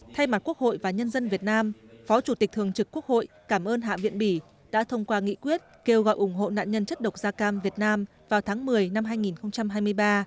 thay mặt quốc hội và nhân dân việt nam phó chủ tịch thường trực quốc hội cảm ơn hạ viện bỉ đã thông qua nghị quyết kêu gọi ủng hộ nạn nhân chất độc da cam việt nam vào tháng một mươi năm hai nghìn hai mươi ba